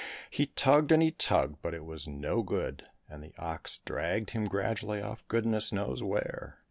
He tugged and he tugged, but it was no good, and the ox dragged him gradually off goodness knows where.